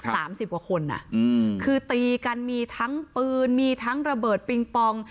สิบกว่าคนอ่ะอืมคือตีกันมีทั้งปืนมีทั้งระเบิดปิงปอง